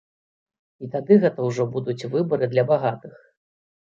І тады гэта ўжо будуць выбары для багатых.